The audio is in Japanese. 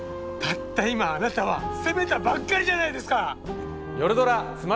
たった今あなたは責めたばっかりじゃないですか！